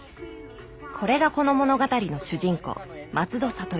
これがこの物語の主人公松戸諭。